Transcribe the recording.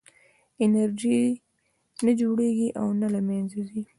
انرژي نه جوړېږي او نه له منځه ځي.